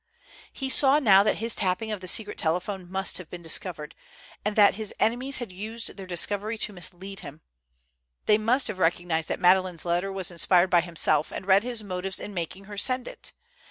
He saw now that his tapping of the secret telephone must have been discovered, and that his enemies had used their discovery to mislead him. They must have recognized that Madeleine's letter was inspired by himself, and read his motives in making her send it.